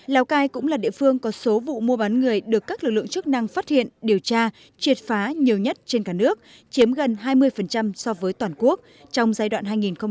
lào cai cũng là địa phương có số vụ mua bán người được các lực lượng chức năng phát hiện điều tra triệt phá nhiều nhất trên cả nước chiếm gần hai mươi so với toàn quốc trong giai đoạn hai nghìn một mươi sáu hai nghìn một mươi tám